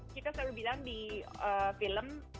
kita selalu bilang di film